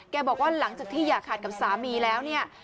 บอกว่าหลังจากที่อย่าขาดกับสามีแล้วเนี่ย